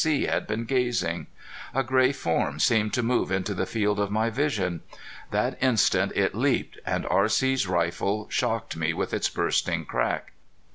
C. had been gazing. A gray form seemed to move into the field of my vision. That instant it leaped, and R.C.'s rifle shocked me with its bursting crack.